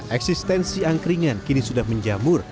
eksistensi angkringan kini sudah menjamur